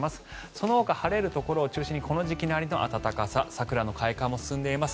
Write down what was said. そのほか、晴れるところを中心にこの時期なりの暖かさ桜の開花も進んでいます。